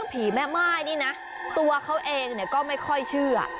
แม่ม่ายนี่นะตัวเขาเองก็ไม่ค่อยเชื่อ